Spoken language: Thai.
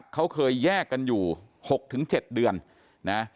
เขาเคยแยกกันอยู่๖๗เดือนนะ